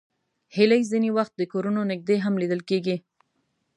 هیلۍ ځینې وخت د کورونو نږدې هم لیدل کېږي